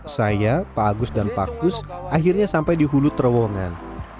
saya pak agus dan pak kus akhirnya sampai di hulu terowongan